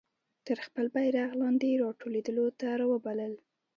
تر خپل بیرغ لاندي را ټولېدلو ته را وبلل.